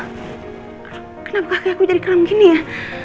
aduh kenapa kakek aku jadi kram gini ya